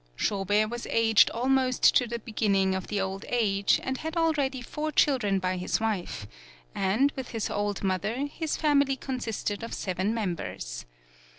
Shobei was aged almost to the be ginning of the old age, and had already four children by his wife, and, with his old mother, his family consisted of seven members.